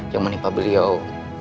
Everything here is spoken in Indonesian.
yang menimpa beliau